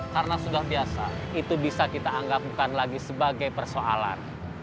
karena sudah biasa itu bisa kita anggap bukan lagi sebagai persoalan